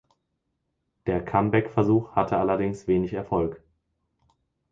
Der Comeback-Versuch hatte allerdings wenig Erfolg.